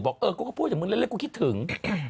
บอกเออกูก็พูดอย่างนี้เลยเลยผมคิดถึง